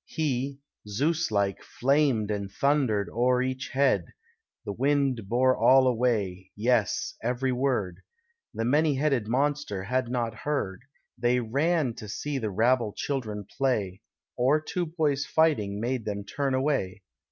He, Zeus like, flamed and thunder'd o'er each head: The wind bore all away, yes, every word. The many headed monster had not heard: They ran to see the rabble children play, Or two boys fighting made them turn away.